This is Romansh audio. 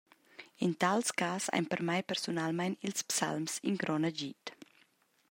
En tals cass ein per mei persunalmein ils psalms in grond agid.